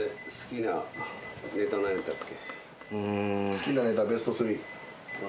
好きなネタベスト３。